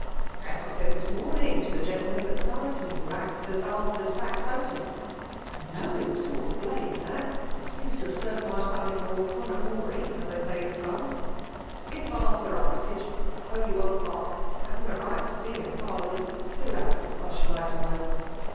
As I said this morning to the gentleman at Tho roton who acts as Arthur's fiactotum, — a know isg sort of blade, that, and seems to hare served my son in law con a mory, as they say in France, — if Arthur Armytage, of Holywell Park, hasn't a right to be in parliament, t^o has, I should like to know